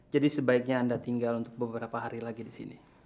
jadi sebaiknya anda tinggal untuk beberapa hari lagi di sini